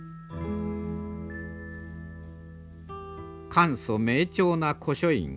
簡素明澄な古書院。